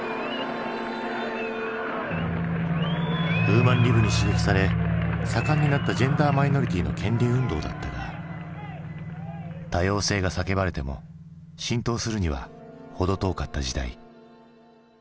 ウーマン・リブに刺激され盛んになったジェンダー・マイノリティーの権利運動だったが多様性が叫ばれても浸透するには程遠かった時代。